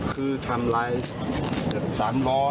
คือทำร้ายสารล้อ